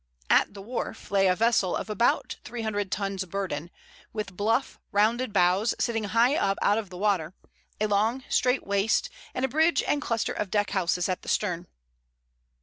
At the wharf lay a vessel of about 300 tons burden, with bluff, rounded bows sitting high up out of the water, a long, straight waist, and a bridge and cluster of deckhouses at the stern.